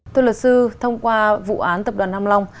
thưa luật sư thông qua vụ án tập đoàn nam long